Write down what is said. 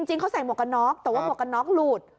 จริงเขาใส่หมวกกันน็อกแต่ว่าหมวกกันน็อกหลุด